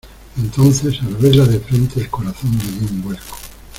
entonces, al verla de frente , el corazón me dió un vuelco.